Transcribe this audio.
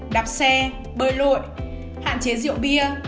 đạp xe bơi lội hạn chế rượu bia